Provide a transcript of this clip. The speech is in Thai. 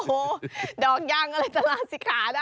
โอ้โหดอกยางอะไรจะลาศิกขาได้